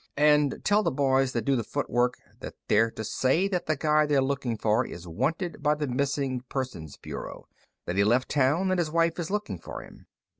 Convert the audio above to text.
"And tell the boys that do the footwork that they're to say that the guy they're looking for is wanted by the Missing Persons Bureau that he left home and his wife is looking for him.